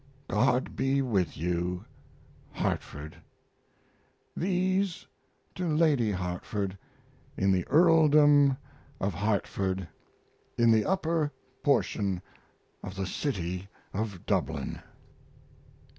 God be with you. HARTFORD. These to Lady Hartford, in the earldom of Hartford, in the upper portion of the city of Dublin.